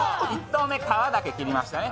１刀目、皮だけ切りましたね。